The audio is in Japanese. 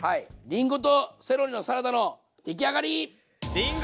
りんごとセロリのサラダの出来上がり！